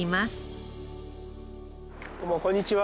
どうもこんにちは。